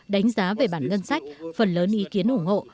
đánh giá về bản ngân sách phần lớn ý kiến ủng hộ